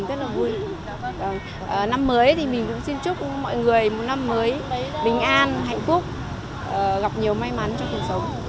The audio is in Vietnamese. năm mới thì mình cũng xin chúc mọi người một năm mới bình an hạnh phúc gặp nhiều may mắn trong cuộc sống